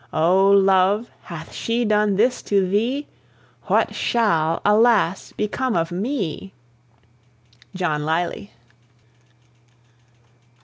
Oh, Love, hath she done this to thee! What shall, alas, become of me! JOHN LYLY.